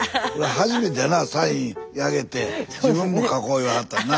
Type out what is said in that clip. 初めてやなサインあげて自分も書こう言いはったんな。